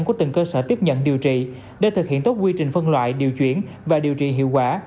của từng cơ sở tiếp nhận điều trị để thực hiện tốt quy trình phân loại điều chuyển và điều trị hiệu quả